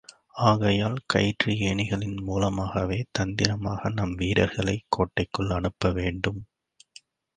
ஆகையால் கயிற்று ஏணிகளின் மூலமாகவே தந்திரமாக நம் வீரர்களைக் கோட்டைக்குள் அனுப்பவேண்டும்.